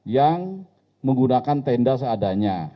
yang menggunakan tenda seadanya